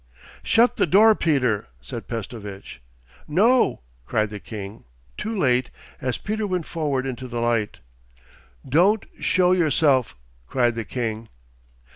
'Shut the door, Peter,' said Pestovitch. 'No,' cried the king, too late, as Peter went forward into the light. 'Don't show yourself!' cried the king.